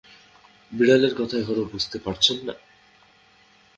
বিড়ালের কথা এখনো বুঝতে পারছেন?